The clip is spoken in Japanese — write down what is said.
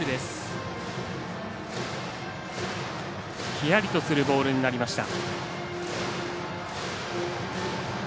ひやりとするボールになりました。